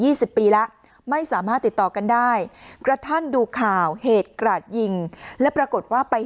สิบปีแล้วไม่สามารถติดต่อกันได้กระทั่งดูข่าวเหตุกราดยิงและปรากฏว่าไป